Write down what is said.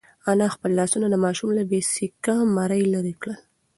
انا خپل لاسونه د ماشوم له بې سېکه مرۍ لرې کړل.